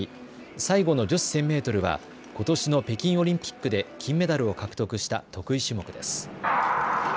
最後の女子１０００メートルはことしの北京オリンピックで金メダルを獲得した得意種目です。